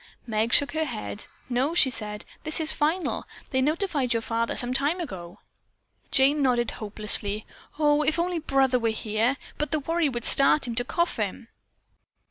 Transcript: Meg shook her head. "No," she said. "This is final. They notified your father some time ago." Jane nodded hopelessly. "Oh, if only brother were here! But the worry would start him to coughing."